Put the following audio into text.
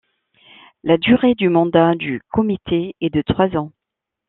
La durée du mandat du comité est de trois ans.